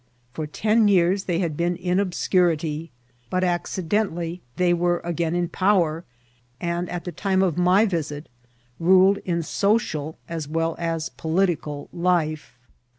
For ten years they had been in obscurity, but accidentally they were again in power, and at the time of my visit ruled in social as well as political life.